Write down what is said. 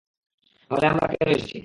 তাহলে আমরা কেন এসেছি?